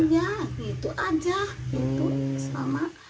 iya gitu aja